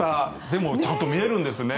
でも、ちゃんと見えるんですね。